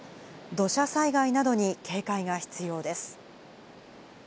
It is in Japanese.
土砂災害などに警戒が必要です。